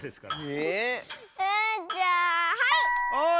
えじゃあはい！